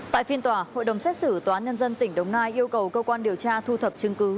tại phiên tòa hội đồng xét xử tòa án nhân dân tỉnh đồng nai yêu cầu cơ quan điều tra thu thập chứng cứ